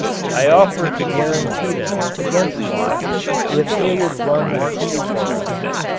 I offered to guarantee them against loss if they would run a heat for us.